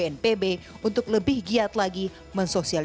menurut survei pemerintah jepang pasca gempa bumi di kobe